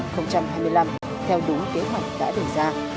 công tác chăm sóc thương minh